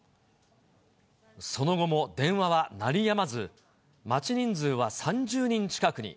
その後も電話は鳴りやまず、待ち人数は３０人近くに。